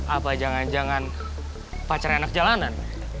apa jangan jangan pacarnya anak jalanan